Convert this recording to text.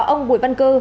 ông bùi văn cư